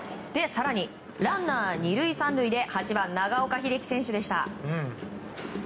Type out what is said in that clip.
更に、ランナー２塁３塁で８番、長岡秀樹選手でした。